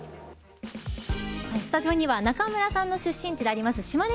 スタジオには中村さんの出身地であります